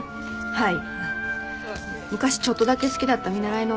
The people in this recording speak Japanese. はい。